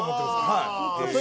はい。